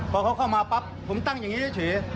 พอเขาเข้ามาปั๊บผมตั้งอย่างนี้เฉย